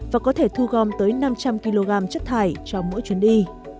và có thể thu gom tới năm trăm linh kg chất thải cho mỗi chuyến đi